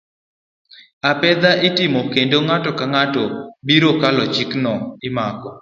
Apedha itimo kendo ng'ato ang'ata mabiro kalo chikno imako.